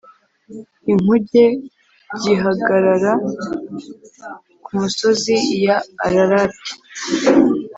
inkuge g ihagarara ku misozi ya Ararati